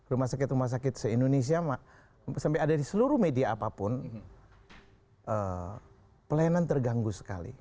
rumah sakit rumah sakit se indonesia sampai ada di seluruh media apapun pelayanan terganggu sekali